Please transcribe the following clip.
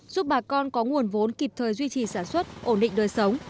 giúp bà con có nguồn vốn kịp thời duy trì sản xuất ổn định đời sống